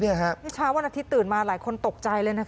นี่เช้าวันอาทิตย์ตื่นมาหลายคนตกใจเลยนะคะ